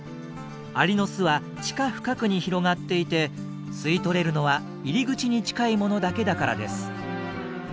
アリの巣は地下深くに広がっていて吸い取れるのは入り口に近いものだけだからです。